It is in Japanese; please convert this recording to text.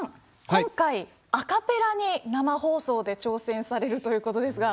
今回、アカペラに生放送で挑戦されるということですが。